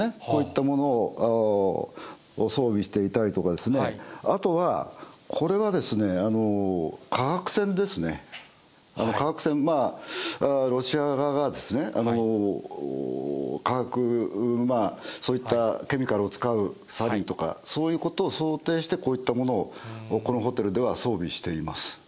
こういったものを装備していたりとかですね、あとはこれは、化学戦ですね、化学戦、ロシア側が化学、そういったケミカルを使う、サリンとか、そういうことを想定して、こういったものをこのホテルでは装備しています。